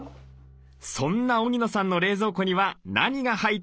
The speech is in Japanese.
そんな荻野さんの冷蔵庫には何が入っているのでしょうか？